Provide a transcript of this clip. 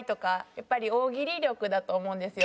やっぱり大喜利力だと思うんですよ